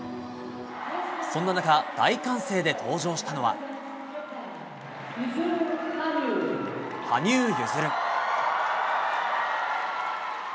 そんな中大歓声で登場したのは羽生結弦。